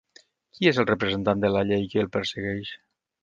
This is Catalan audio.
Qui és el representant de la llei que el persegueix?